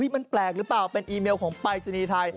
มันแปลกหรือเปล่าเป็นอีเมลของปรายศนีย์ไทย